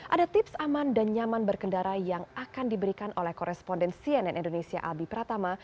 ada tips aman dan nyaman berkendara yang akan diberikan oleh koresponden cnn indonesia albi pratama